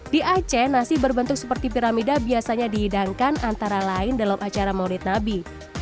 di aceh nasi berbentuk seperti piramida biasanya dihidangkan antara lain dalam acara maulid nabi